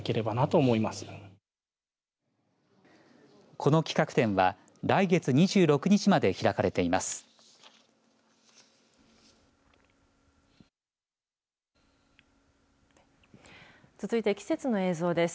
この企画展は来月２６日まで開かれています。